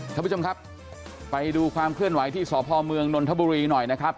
ท่านผู้ชมครับไปดูความเคลื่อนไหวที่สพเมืองนนทบุรีหน่อยนะครับ